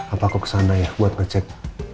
apa kok kesana ya buat ngecek